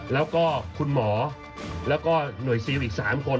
แล้วก็คุณหมอแล้วก็หน่วยซิลอีก๓คน